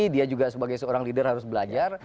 dia juga sebagai seorang leader harus belajar